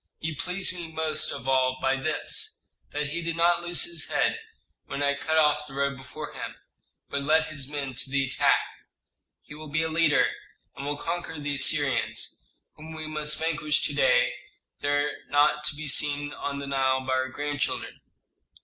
He pleased me most of all by this, that he did not lose his head when I cut off the road before him, but led his men to the attack. He will be a leader, and will conquer the Assyrians, whom we must vanquish to day if they are not to be seen on the Nile by our grandchildren."